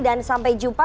dan sampai jumpa